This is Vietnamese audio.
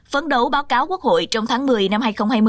phấn đấu báo cáo quốc hội trong tháng một mươi năm hai nghìn hai mươi